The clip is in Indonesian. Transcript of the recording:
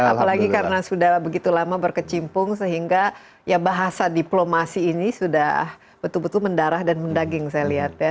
apalagi karena sudah begitu lama berkecimpung sehingga ya bahasa diplomasi ini sudah betul betul mendarah dan mendaging saya lihat ya